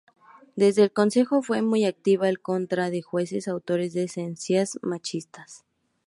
Desde el Consejo fue muy activa en contra de jueces autores de sentencias machistas.